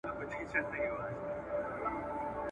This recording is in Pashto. دي قرار د هجر پروت دی